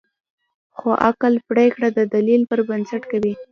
خو عقل پرېکړه د دلیل پر بنسټ کوي.